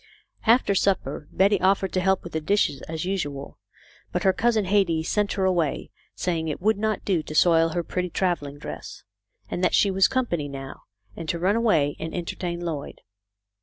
After supper Betty offered to help with the dishes as usual, but her cousin Hetty sent her away, saying it would not do to soil her pretty travelling dress ; that she was company now, and to run away and en tertain Lloyd.